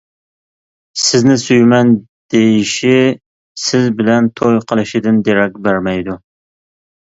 سىزنى سۆيىمەن دېيىشى سىز بىلەن توي قىلىشىدىن دېرەك بەرمەيدۇ.